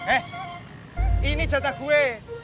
eh ini jatah gue